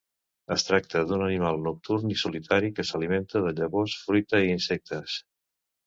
Es tracta d'un animal nocturn i solitari que s'alimenta de llavors, fruita i insectes.